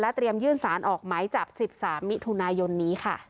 เตรียมยื่นสารออกไหมจับ๑๓มิถุนายนนี้ค่ะ